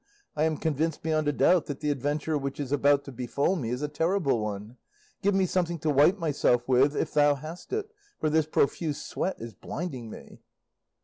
I am convinced beyond a doubt that the adventure which is about to befall me is a terrible one. Give me something to wipe myself with, if thou hast it, for this profuse sweat is blinding me."